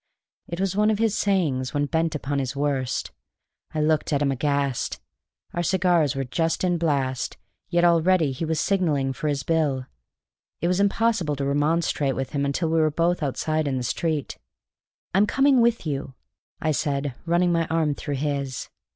It was one of his sayings when bent upon his worst. I looked at him aghast. Our cigars were just in blast, yet already he was signalling for his bill. It was impossible to remonstrate with him until we were both outside in the street. "I'm coming with you," said I, running my arm through his.